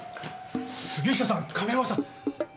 杉下さん亀山さん！